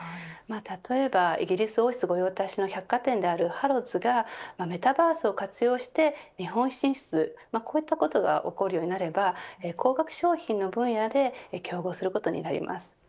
例えば、イギリス王室御用達の百貨店であるハロッズがメタバースを活用して日本進出こういったことが起こるようになれば高額商品の分野で競合することになります。